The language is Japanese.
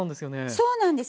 そうなんです。